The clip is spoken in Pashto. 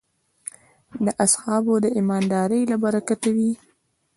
د اصحابو د ایماندارۍ له برکته وې.